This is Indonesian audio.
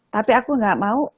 tapi aku gak mau